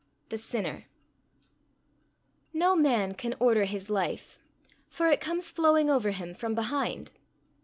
THE SINNER. No man can order his life, for it comes flowing over him from behind.